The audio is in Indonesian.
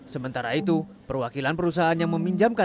sementara itu perwakilan perusahaan yang meminjamkan